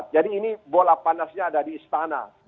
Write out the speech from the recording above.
jadi ini bola panasnya ada di istana